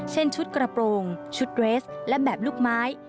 เช่นชุดกระโปรงชุดเรสและแบบลูกไม้